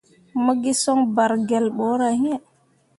Mo gi soŋ bargelle ɓorah iŋ.